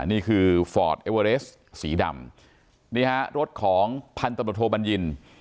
นี่คือฟอร์ดเอเวอเรสสีดำนี่ฮะรถของพันธบทโทบัญญิน